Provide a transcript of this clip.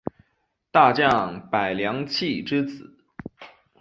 大将柏良器之子。